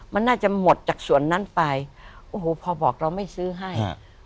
มันน่าจะหมดจากส่วนนั้นไปโอ้โหพอบอกเราไม่ซื้อให้